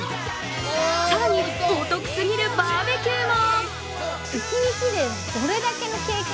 更に、お得すぎるバーベキューも。